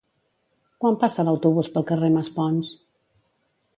Quan passa l'autobús pel carrer Maspons?